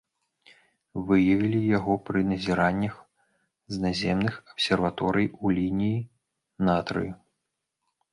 Выявілі яго пры назіраннях з наземных абсерваторый у лініі натрыю.